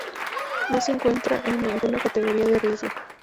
No se encuentra en ninguna categoría de riesgo.